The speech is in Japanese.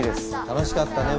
楽しかったね